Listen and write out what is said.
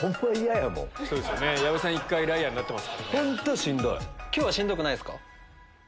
矢部さん１回ライアーになってますからね。